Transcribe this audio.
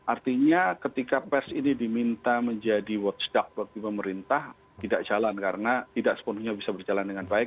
artinya ketika pers ini diminta menjadi watchdog bagi pemerintah tidak jalan karena tidak sepenuhnya bisa berjalan dengan baik